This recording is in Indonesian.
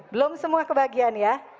belum semua kebahagiaan ya